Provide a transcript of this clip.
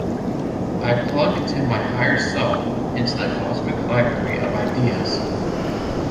I plug into my higher self, into the cosmic library of ideas.